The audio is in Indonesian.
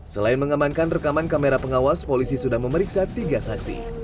selain mengamankan rekaman kamera pengawas polisi sudah memeriksa tiga saksi